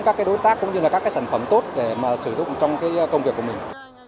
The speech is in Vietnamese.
các đối tác cũng như là các cái sản phẩm tốt để mà sử dụng trong công việc của mình